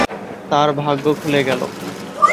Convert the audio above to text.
তার ভাগ্য খুলে গেল।